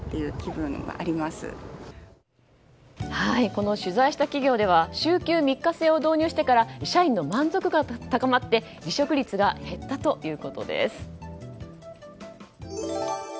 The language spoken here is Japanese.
この取材した企業では週休３日制を導入してから社員の満足度が高まって離職率が減ったということです。